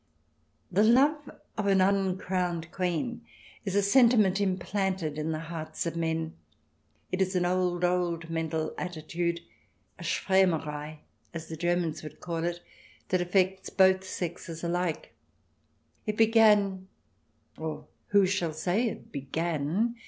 The love of an uncrowned Queen is a sentiment implanted in the hearts of men. It is an old, old mental attitude — a Schwarmerei, as the Germans would call it — that aff'ects both sexes alike. It began — or who shall say it began